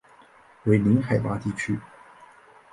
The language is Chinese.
为零海拔地区。